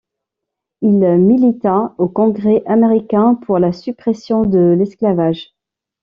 Il milita au Congrès américain pour la suppression de l'esclavage.